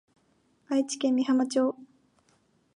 愛知県美浜町